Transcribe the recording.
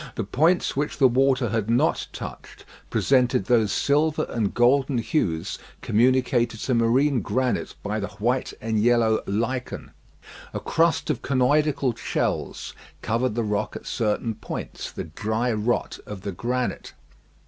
The points which the water had not touched presented those silver and golden hues communicated to marine granite by the white and yellow lichen. A crust of conoidical shells covered the rock at certain points, the dry rot of the granite.